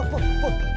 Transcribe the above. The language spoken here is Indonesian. eh put put